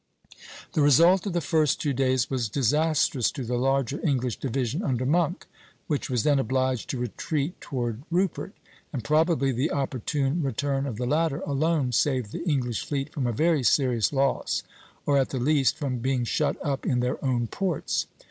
The result of the first two days was disastrous to the larger English division under Monk, which was then obliged to retreat toward Rupert; and probably the opportune return of the latter alone saved the English fleet from a very serious loss, or at the least from being shut up in their own ports.